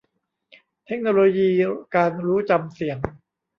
เทคโนโลยีการรู้จำเสียง